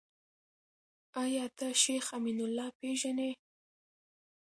آيا ته شيخ امين الله پېژنې ؟